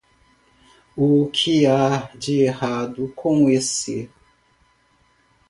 O que há de errado com esse?